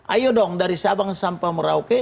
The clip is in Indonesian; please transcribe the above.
ayo dong dari sabang sampai merauke